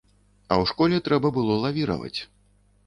А ў школе трэба было лавіраваць.